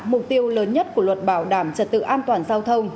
mục tiêu lớn nhất của luật bảo đảm trật tự an toàn giao thông